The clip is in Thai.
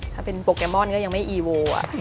ถ้าเป็นโปรแกรมอนก็ยังไม่อีโว